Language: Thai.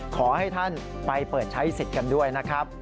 ขอให้ท่านไปเปิดใช้สิทธิ์กันด้วยนะครับ